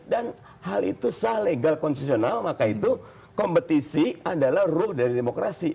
dan hal itu sah legal constitutional maka itu kompetisi adalah rule dari demokrasi